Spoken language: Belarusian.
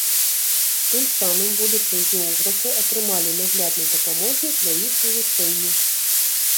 Тым самым будучыя географы атрымалі наглядны дапаможнік для іх вывучэння.